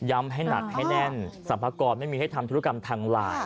ให้หนักให้แน่นสรรพากรไม่มีให้ทำธุรกรรมทางไลน์